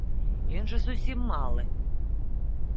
Ён жа зусім малы.